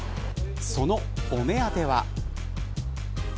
そのお目当ては。